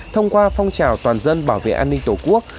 thông qua phong trào toàn dân bảo vệ an ninh tổ quốc